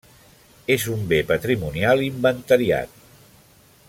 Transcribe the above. És un bé patrimonial inventariat.